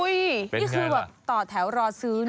นี่คือแบบต่อแถวรอซื้อนะ